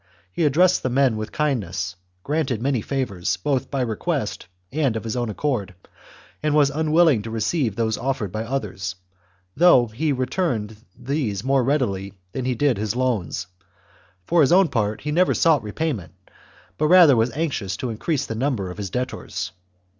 He ad XCVI. dressed the men with kindness, granted many favours, both by request, and of his own accord, and was un willing to receive those offered by others, though he returned these more readily than he did his loans ; for his own part he never sought repayment, but rather was anxious to increase the number of his debtors.